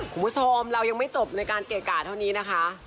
คุณผู้ชมเรายังไม่จบในการเกะกะเท่านี้นะคะ